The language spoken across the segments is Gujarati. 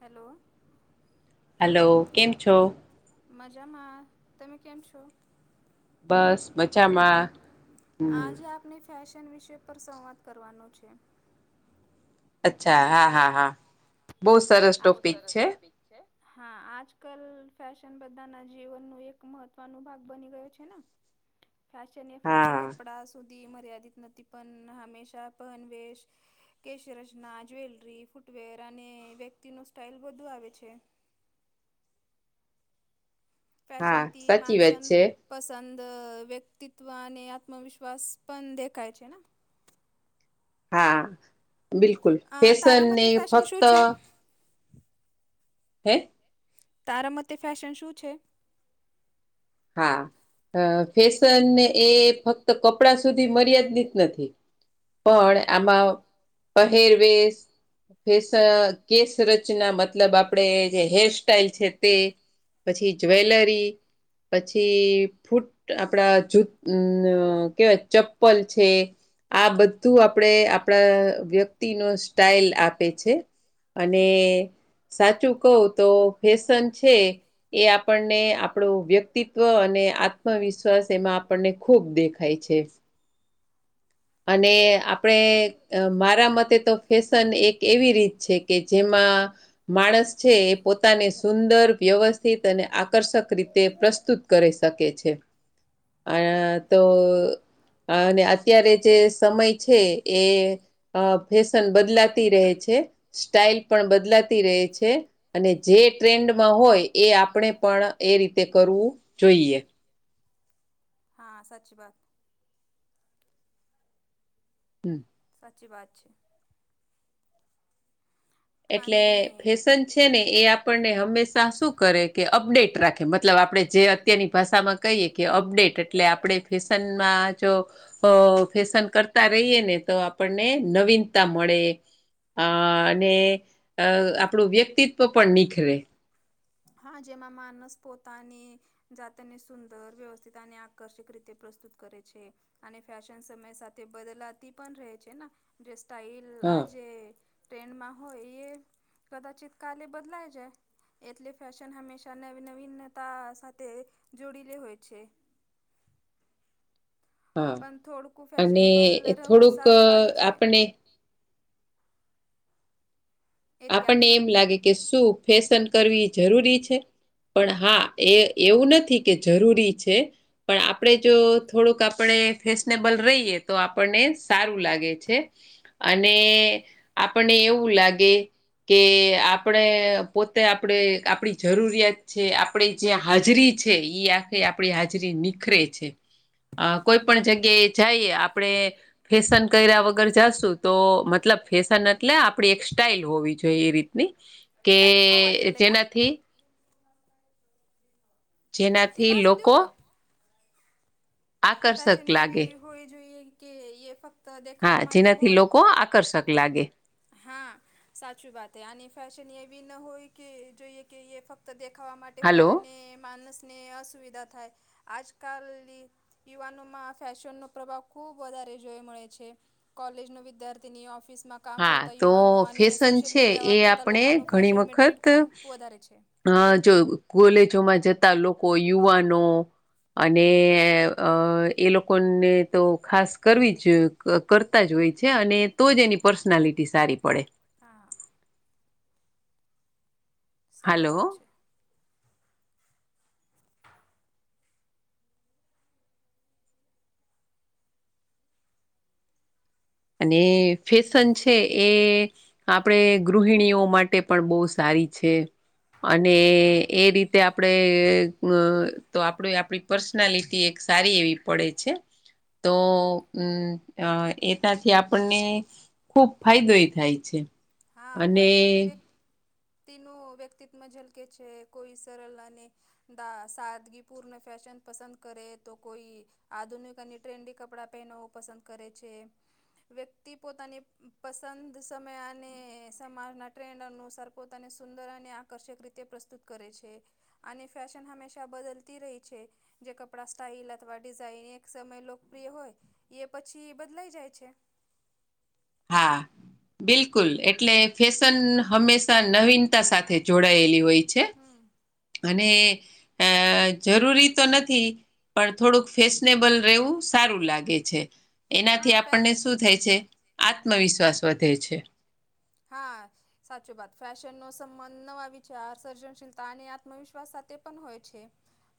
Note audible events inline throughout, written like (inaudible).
હેલો હલો કેમ છો મજામાં તમે કેમ છો બસ મચામાં હમ આપને ફેશન વિષય પર સંવાદ કરવાનો છે અચ્છા હા હા હા બહુ સરસ ટોપિક છે હા આજ કલ ફેશન બધા ના જીવન ન એક મહત્વ ન ભાગ બની ગયો છે ને (inaudible) ફેશન એ ફક્ત હા કપડા સુધી મર્યાદિત નથી પણ હંમેશા પન વેશ કેશરચના જ્વેલરી ફૂટવેર અને વ્યક્તિ નું સ્ટાઈલ બધુ આવે છે. હા ફેશનથી સાચી મન વાત છે પસંદ વ્યક્તિત્વ અને આત્મવિશ્વાસ પણ દેખાય છે હા બિલકુલ અ તારા ફેશનને મતે ફેશન ફક્ત શું છે? હે તારા મતે ફેશન શું છે. હા ફેશન એ ફક્ત કપડા સુધી મર્યાદીત નથી. હા પણ આમાં પહેરવેશ ફેસ કેસ રચન મતલબ આપણે જે હેરસ્ટાઈલ છે તે પછી જ્વેલરી પછી ફૂટ આપડા જૂત કેવાય ચપ્પલ છે. આ બધું આપણે આપણા વ્યક્તિ નું સ્ટાઈલ આપે છે. અને હમ સાચું કવતો ફેશન છે એ આપણને આપણું વ્યક્તિ વ્યક્તિત્વ અને આત્મવિશ્વાસ એમાં આપણને ખૂબ દેખાય છે. અને આપણે મારા મતે તો ફેશન એક એવી રીત છે કે જેમાં માણસ છે એ પોતાને સુંદર વ્યવસ થિત અને આકર્ષક રીતે પ્રસ્તુત કરી શકે છે. અ તો અને અત્યારે જે સમય છે એ ફેશન બદલાતી રહે છે. સ્ટાઈલ પણ બદલાતી રહે છે અને જે ટ્રેન્ડમાં હોય એ આપણે પણ એ રીતે કરવું જોઈએ. હા સાચી બાત હમ સાચી વાત છે. એટલે અને ફેશન છે ને એ આપણને હંમેશા શું કરે કે અપડેટ રાખે મતલબ આપણે જે અત્યારની ભાષામાં કહીએ કે અપડેટ એટલે આપણે ફેશનમાં જો અ ફેશન કરતા રહીએ ને તો આપણને નવીનતા મળે અ અને અ આપણું વ્યક્તિત્વ પણ નિખરે હા જેમાં માનસ પોતાની જાતને સુંદર વ્યવસ્થિત અને આકર્ષક રીતે પ્રસ્તુત કરે છે. અને ફેશન સમય સાથે બદલાતી પણ રહે છે ને જે સ્ટાઇલ હા આજે ટ્રેનમાં હોય એ કદાચિત કાલે બદલાય જાય એટલે ફેશન હંમેશા નવીનવીનતા સાથે જોડી રહે છે હા પણ થોડકું અને ફેશનેબલ રહેવું થોડુંક સારું લાગે છે. આપણે એથી આપણને આત્મ એમ લાગે કે શું ફેશન કરવી જરૂરી છે. પણ હા એ એવું નથી કે જરૂરી છે. પણ આપણે જો થોડુંક આપણે ફેશનેબલ રહીએ તો આપણને સારું લાગે છે અને આપને એવું લાગે કે આપડે પોતે આપણે આપણી જરૂરિયાત છે આપણી જ્યાં હાજરી છે એ આ આપણી હાજરી નિખરે છે કોઈ પણ જગ્યાએ જઈએ આપણે ફેશન કર્યા વગર જાશું તો મતલબ ફેશન એટલે આપડી એક સ્ટાઈઇલ હોવી જોએ રીતની કે જેનાથી જેનાથી લોકો ફેશન આકર્ષક લાગે એવી હોવી જોઈએ કે એ ફક્ત હા દેખાવા માટે જેનાથી લોકો હોય આકર્ષક લાગે. હા સાચી વાત આની ફેશન એવી ન હોય કે જોઈએ કે એ ફક્ત દેખાવા માટે હાલો હોય અને માનસને અસુવિધા થાય આજકાલ યુવાનોમાં ફેશનનો પ્રભાવ ખુબ વધારે જોવા મળે છે. કોલેજ નો વિદ્યાર્થીની ઓફિસ માં કામ હા કરતા તો યુવાનો અને ફેશન સોશિયલ છે મીડિયા એ વાપરતા આપણે લોકોનું ફેશન ટ્રેન્ડ ખૂબ વધારે છે. હા જો કોલેજોમાં જતા લોકો યુવાનો અને એ લોકોને તો ખાસ કરવી જ. કરતા જ હોય છે અને તો જ એની પર્સનાલિટી સારી પડે. હા. સારો હાલો વાત છે. અને ફેશન છે એ. આપણેે ગૃહિણીઓ માટે પણ બહુ સારી છે. અને એ રીતે આપડે. તો આપણે આપણી પર્સનાલિટી એક સારી એવી પડે છે. તો અ એક ના થી આપણને ખુબ ફાયદો થાય છે. હા, અને ફેશનથી બે તેનું વ્યક્તિત્વ ઝલકે છે, કોઈ સરલ અને સાદગીપૂર્ણ ફેશન પસંદ કરે તો કોઈ. આધુનિક અને ટ્રેન્ડી કપડાં પહેનું પસંદ કરે છે. વ્યક્તિ પોતાની પસંદ સમય. અને સમાજના ટ્રેન્ડ અનુસાર પોતાને સુંદર અને આકર્ષક રીતે પ્રસ્તુત કરે છે. અને ફેશન હમેશા બદલતી રહી છે. જે કપડાં, સ્ટાઇલ અથવા ડિઝાઇન એક સમય લોકપ્રિય હોય. એ પછી બદલાઈ જાય છે. હા, બિલકુલ, એટલે ફેશન હંમેશા નવીનતા સાથે. જોડાયેલી હોય. છે હા. અને જરૂરી તો નથી, પણ થોડુંક ફેસ. નેબલ રેવું સારું લાગે છે, એનાથી હા ફે આપણને શું થાય છે? આત્મવિશ્વાસ વધે છે. હા. સાચું વાત, ફેશનનો સંબંધ નવા વિચાર સર્જનશીલતા અને આત્મવિશ્વાસ સાથે પણ હોય છે.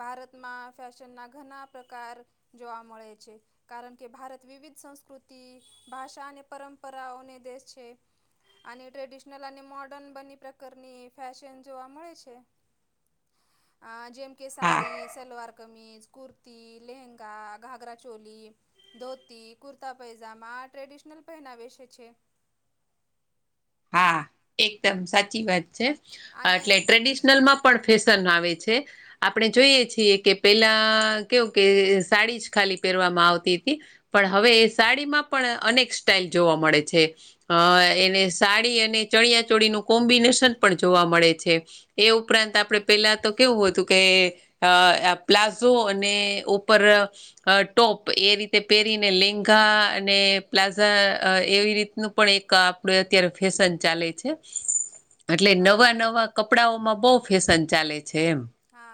ભારતમાં ફેશનના ઘણા પ્રકાર જોવા મળે છે. કારણ કે ભારત વિવિધ સંસ્કૃતિ ભાષા અને પરંપરાઓનો દેશ છે. અને ટ્રેડિશનલ અને મોર્ડર્ન બની પ્રકારની ફેશન જોવા મળે છે. (unintelligible) અ જેમ કે હા સાડી, સલવાર, કમીજ, કુર્તી, લેહેંગા, ઘાઘરા ચોલી. ધોતી, કુર્તા, પૈજામા ટ્રેડિશનલ પહેનાવેશ છે. હા, એકદમ સાચી વાત છે, અને એટલે ટ્રેડિશનલ માં પણ ફેશન આવે છે, આપણે જોઈએ છીએ કે પેલા. કેવુ કે સાડી જ ખાલી પહેરવામાં આવતી હતી. પણ હવે એ સાડીમાં પણ અનેક સ્ટાઈલ જોવા મળે છે. એને સાડી અને ચળિયા ચોળીનું કોમ્બિનેશન પણ જોવા મળે છે, એ ઉપરાંત આપડે. પેલા તો કેવું હતું કે, પ્લાઝો અને ઉપર અ ટોપ એ રીતે પહેરીને, લેંગા અને પ્લાઝા એવી રીતનું. પણ એક, આપડે અત્યારે ફેશન ચાલે છે એટલે હા નવા નવા. કપડાઓમાં બહુ ફેશન ચાલે છે એમ. હા,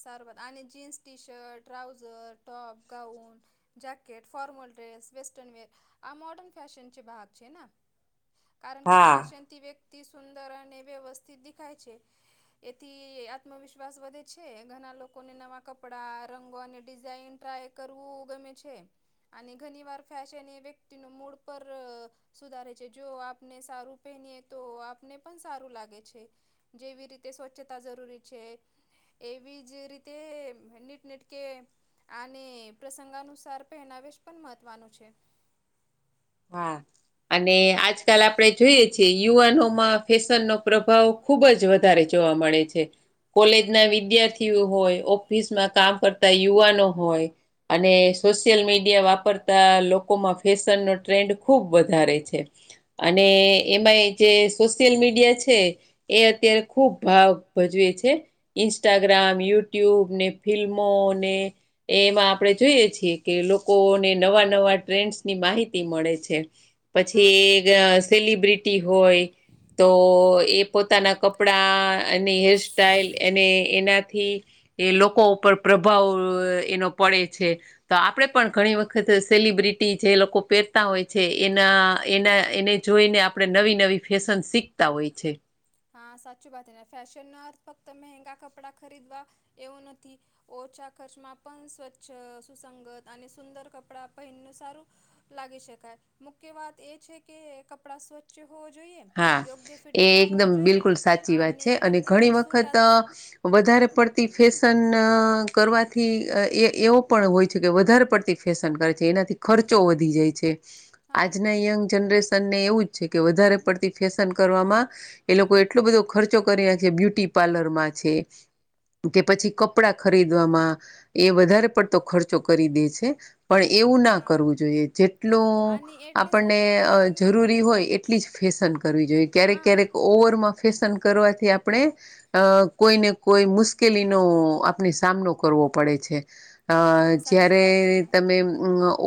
સરસ, અને jeans, T-shirt, trouser, top, gown. Jacket, formal dress, western wear, આ મોડર્ન ફેશન છે, બહાગ છે ને? કારણ કે હા ફેશન. થી વ્યક્તિ સુંદર અને વ્યવસ્થિત દેખાય છે, એથી આત્મવિશ્વાસ. વિશ્વાસ વધે છે, ઘણા લોકોને નવા કપડાં, રંગો અને ડિઝઇન ટ્રાય કરવું ગમે છે. અને ઘણી વાર ફેશન એ વ્યક્તિ નું મૂડ પર. સુધારે છે, જો આપને સારું પહેનીએ તો આપને પણ સારું લાગે છે. જેવી રીતે સ્વચ્છતા જરૂરી છે. એવી જ રીતે નીટ નીટ કે અને પ્રસંગાનુસાર પહેનાવેશ પણ મહત્ત્વનું છે હા અને આજકાલ આપણેે જોઈએ છેીએ યુવાનોમાં ફેશન નો પ્રભાવ ખુબ જ વધારે જોવા મળે છે કોલેજ ના વિદ્યાર્થીઓ હોય ઓફિસમાં કામ કરતા યુવાનો હોય અને સોશિયલ મીડિયા વાપરતા લોકોમાં ફેશનનો ટ્રેન્ડ ખૂબ વધારે છે અને હા એમાં એ જે સોશિયલ મીડિયા છે એ અત્યારે ખુબ ભાવ ભજવે છે ઇન્સ્ટાગ્રામ યુટ્યુબ ને ફિલ્મો ને એ એમાં આપણે જોઈએ છીએ કે લોકોને નવા નવા ટ્રેન્ડસ ની માહિતી મળે છે હા પછી સેલિબ્રિટી હોય તો એ પોતાના કપડાં અને હેરસ્ટાઈલ અને એનાથી એ લોકો ઉપર પ્રભાવ એનો પડે છે તો આપણેે પણ ઘણી વખત સેલિબ્રિટી જે લોકો પહેરતા હોય છે એના એના એને જોઈને આપણે નવી નવી ફેશન શીખતા હોય છે હા સાચી વાત ફેશનનો અર્થ ફક્ત મહેંગા કપડાં ખરીદવા એવો નથી ઓછા ખર્ચમાં પણ સ્વચ્છ સુસંગત અને સુંદર કપડા પહેનનું સારું લાગી શકાય મુખ્ય વાત એ છે કે કપડા સ્વચ્છ હોવો જોઈએ હા યોગ્ય એ ફિટિંગમાં હોવો એકદમ જોઈ બિલકુલ સાચી વાત છે અને ઘણી સૂટ વખત વધારે પડતી ફેશન કરવાથી એ એવો પણ હોય છે કે વધારે પડતી ફેશન કરે છે એનાથી ખર્ચો વધી જાય છે હા આજના યંગ જનરેશન ને એવું જ છે કે વધારે પડ ફેશન કરવામાં એ લોકો એટલો બધો ખર્ચો કર્યા છે બ્યુટી પાર્લરમાં છે કે પછી કપડા ખરીદવામાં એ વધારે પડતો ખર્ચો કરી દે છે પણ એવું ના હા કરવું જોઈએ જેટલું આની એટલે આપણને સાતના ફેશનમાં જરૂરી હોય એટલી જ ફેશન કરવી જોઈએ ક્યારેક હા ક્યારેક ઓવરમાં ફેશન કરવાથી આપણે આપણે અ કોઈને કોઈ મુશ્કેલીનોો આપણે સામનો કરવો પડે છે અ હા સાચી જયારે વાત છે ને તમે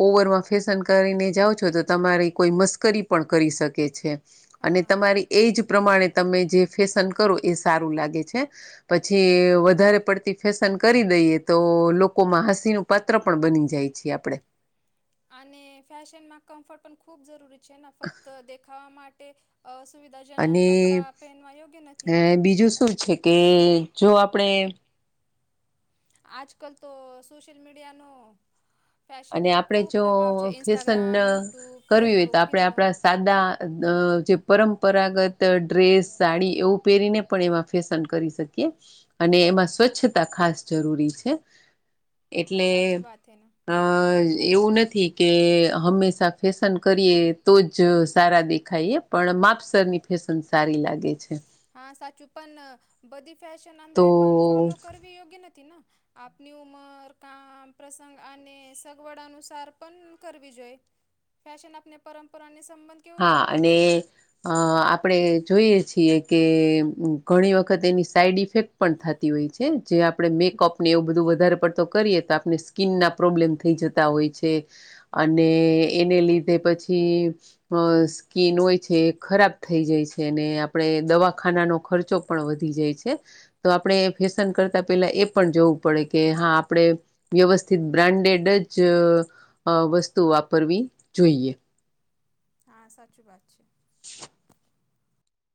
ઓવરમાં ફેશન કરીને જાઓ છો તો તમારી કોઈ મસ્કરી પણ કરી શકે છે અને હા હા તમારી એજ પ્રમાણે તમે જે ફેશન કરો એ સારું લાગે છે પછી વધારે પડતી ફેશન કરી દઈએ તો લોકોમાં હસીનું પત્ર પણ બની જાય છે આપડણે અને ફેશનમાં કમ્ફર્ટ પણ ખૂબ જરૂરી છે ને ફક્ત દેખાવા માટે અસુવિધાજનક કપડાં પહેનવા યોગ્ય નથી અને બીજું શું છે કે જો આપણે આજ કલ તો સોશિયલ મીડિયાનો અને ફેશન પર આપણે ખૂબ જો પ્રભાવ છે ફેશન ઇન્સ્ટાગ્રામ યુટ્યુબ ફેસબુક ફિલ્મો દદા જે પરંપરાગત ડ્રેસ સાડી એવું પહેરીને પણ એમાં ફેશન કરી શકીએ અને હા એમાં સ્વચ્છતા ખાસ જરૂરી છે એટલે કથેના હા એવું નથી કે હંમેશા ફેશન કરીએ તો જ સારા દેખાયએ પણ માપસરની ફેશન સારી લાગે છે હા સાચું પણ બધી ફેશન તો આંધળે પણ ફોલો કરવી યોગ્ય નથી આપની ઉમર, કામ પ્રસંગ અને સગવડ અનુસાર પણ કરવી જોઈ ફેશન આપને પરંપરાની સંબંધ કેવો હા છે અને હા અને આપણે જોઈએ છીએ કે ઘણી વખત એની સાઈડ ઇફેક્ટ પણ થતી હોય છે જે આપણે મેકઅપને એવું બધું વધારે પડતો કરીએ તો આપણે સ્કીનના પ્રોબ્લેમ થઈ જત તા હોય છે અને એને લીધે પછી અ સ્કિન હોય છે એ ખરાબ થઈ જાય છે અને આપણે દવાખાનાનો ખર્ચો પણ વધી જાય છે. તો આપણે ફેશન કરતા પેલા એ પણ જોવું પડે કે હા આપડે વ્યવસ્થિત બ્રાન્ડેડ જ વસ્તુ વાપરવી જોઈએ. હા સાચું વાત છે.